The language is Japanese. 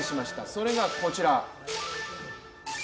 それがこちら。